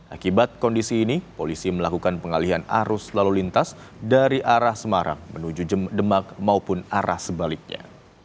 akibat kondisi ini polisi melakukan pengalihan arus lalu lintas dari arah semarang menuju demak maupun arah sebaliknya